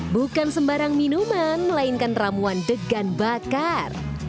bukan sembarang minuman melainkan ramuan degan bakar